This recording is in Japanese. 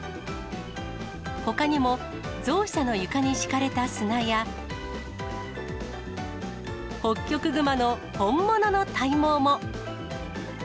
ほかにも、ゾウ舎の床に敷かれた砂や、ホッキョクグマの本物の体毛も。